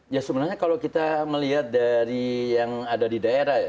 ya sebenarnya kalau kita melihat dari yang ada di daerah ya